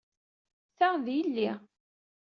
Ta d yell-i.